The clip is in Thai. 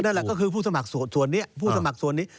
นั่นแหละก็คือผู้สมัครส่วนนี้ผู้สมัครส่วนนี้